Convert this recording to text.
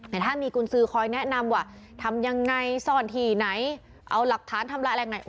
แต่ถ้ามีกุญสือคอยแนะนำว่าทำยังไงซ่อนที่ไหนเอาหลักฐานทำลายอะไรไง